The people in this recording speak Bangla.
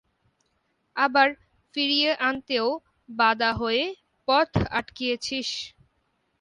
আবার ফিরিয়ে আনতেও বাদা হয়ে পথ আটকিয়েছিস।